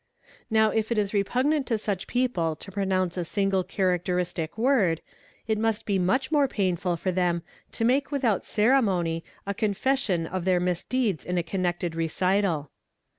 Now if it is repugnant to such. people to pronounce a single characteristic word, it must be much more painful for them to make without ceremony a confession of their mis — deeds in a connected recital.